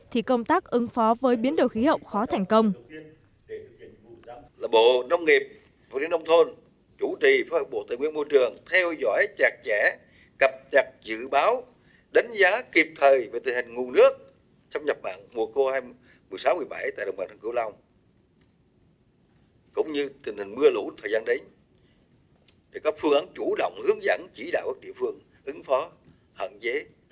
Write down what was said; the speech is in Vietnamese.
thì công tác ứng phó với biến đổi khí hậu khó thành công